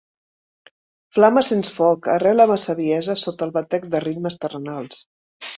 Flama sens foc, arrela ma saviesa sota el batec de ritmes terrenals.